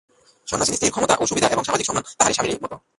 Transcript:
সন্ন্যাসিনী স্ত্রীর ক্ষমতা, সুবিধা এবং সামাজিক সম্মান তাঁহার স্বামীরই মত।